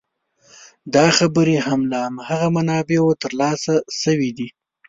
دا خبرې هم له هماغو منابعو تر لاسه شوې دي.